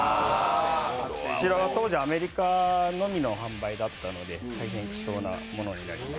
こちらは当時、アメリカのみの販売だったので大変希少なものになります。